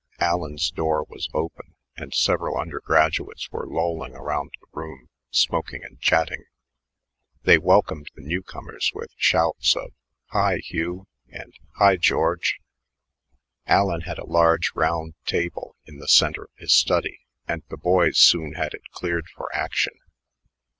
Allen's door was open, and several undergraduates were lolling around the room, smoking and chatting. They welcomed the new comers with shouts of "Hi, Hugh," and "Hi, George." Allen had a large round table in the center of his study, and the boys soon had it cleared for action.